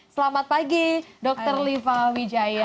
selamat pagi dokter lifal wijaya